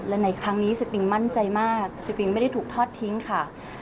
และในครั้งนี้สปิงมั่นใจมากสปิงไม่ได้ถูกทอดทิ้งค่ะ